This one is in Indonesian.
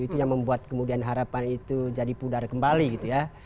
itu yang membuat kemudian harapan itu jadi pudar kembali gitu ya